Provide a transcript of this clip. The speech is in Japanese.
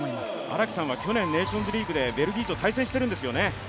荒木さんは去年、ネーションズリーグでベルギーと対戦しているんですよね？